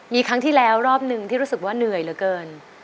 มีครั้งที่แล้วรอบหนึ่งที่รู้สึกว่าเหนื่อยเหลือเกิน